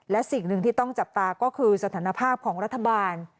และสิ่งหนึ่งที่ต้องจับตาก็คือสถานภาพของรัฐบาล